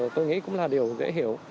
tôi nghĩ cũng là điều dễ hiểu